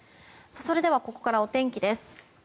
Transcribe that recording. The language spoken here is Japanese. それでは、ここからお天気です。